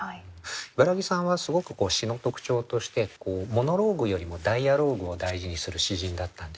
茨木さんはすごく詩の特徴としてモノローグよりもダイアローグを大事にする詩人だったんですね。